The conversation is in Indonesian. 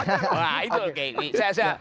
nah itu kayak gini